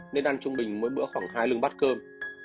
nên ăn trung bình mỗi bữa khoảng hai lưng bát cơm